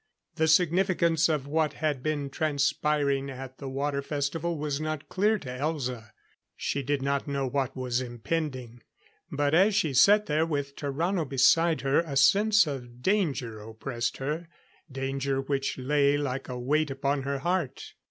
The significance of what had been transpiring at the Water Festival was not clear to Elza; she did not know what was impending, but as she sat there with Tarrano beside her, a sense of danger oppressed her. Danger which lay like a weight upon her heart.